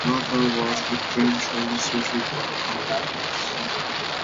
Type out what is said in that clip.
The matter was eventually settled by agreement.